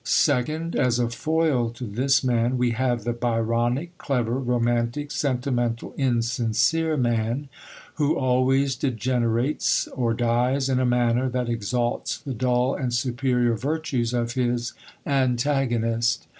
Second, as a foil to this man, we have the Byronic, clever, romantic, sentimental, insincere man who always degenerates or dies in a manner that exalts the dull and superior virtues of his antagonist.